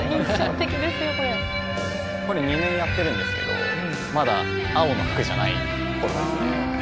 これ２年やってるんですけどまだ青の服じゃない頃ですね。